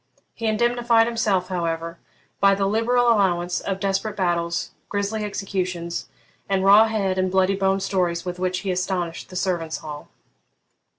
He indemnified himself, however, by the liberal allowance of desperate battles, grisly executions, and raw head and bloody bone stories with which he astonished the servants' hall.